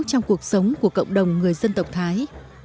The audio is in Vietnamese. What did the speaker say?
trong cuộc sống của cộng đồng người dân tộc thái